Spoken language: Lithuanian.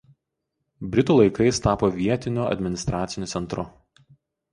Britų laikais tapo vietiniu administraciniu centru.